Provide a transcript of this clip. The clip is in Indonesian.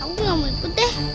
aku gak mau ikut deh